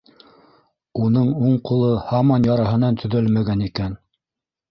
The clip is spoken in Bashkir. Уның уң ҡулы һаман яраһынан төҙәлмәгән икән.